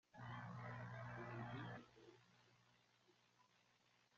Tongo y Joe pertenecen a esta generación.